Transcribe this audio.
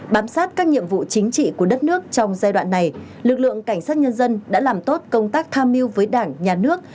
bám sát các nhiệm vụ chính trị của đất nước trong giai đoạn này lực lượng cảnh sát nhân dân đã làm tốt công tác tham mưu với đảng nhà nước